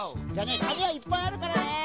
かみはいっぱいあるからね。